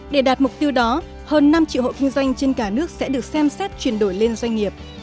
để đạt mục tiêu đó hơn năm triệu hộ kinh doanh trên cả nước sẽ được xem xét chuyển đổi lên doanh nghiệp